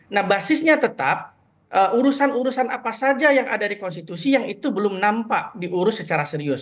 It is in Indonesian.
nah basisnya tetap urusan urusan apa saja yang ada di konstitusi yang itu belum nampak diurus secara serius